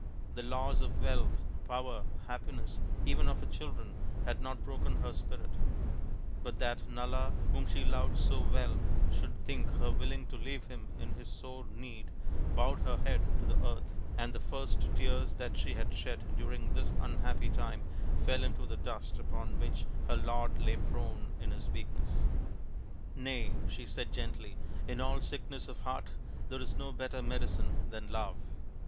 The loss of wealth, power, happiness, even of her children, had not broken her spirit ; but that Nala whom she loved so well should think her willing to leave him in his sore need bowed her head to the earth, and the first tears that she had shed during this unhappy time fell into the dust upon which her lord lay prone in his weakness. " Nay," she said gently, " in all sickness of heart there is no better medicine than love.